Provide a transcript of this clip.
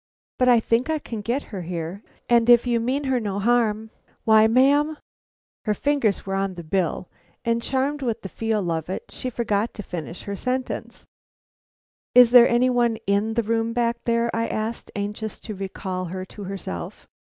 But I think I can get her here; and if you mean her no harm, why, ma'am " Her fingers were on the bill, and charmed with the feel of it, she forgot to finish her sentence. "Is there any one in the room back there?" I asked, anxious to recall her to herself.